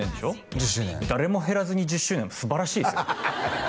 １０周年誰も減らずに１０周年素晴らしいっすよ